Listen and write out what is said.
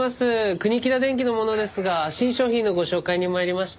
国木田電器の者ですが新商品のご紹介に参りました。